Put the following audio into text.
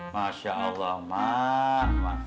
masya allah mak